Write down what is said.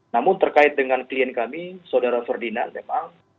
namun terkait dengan klien kami saudara ferdinand memang